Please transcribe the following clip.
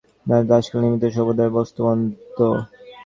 দেশ কাল ও নিমিত্তের সমুদয় বস্তু বদ্ধ।